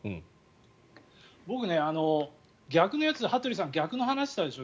僕ね、逆のやつ羽鳥さん、逆の話したでしょ。